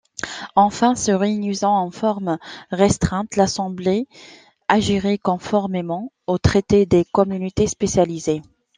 Enfin, se réunissant en forme restreinte, l'Assemblée agirait conformément aux traités des communautés spécialisées.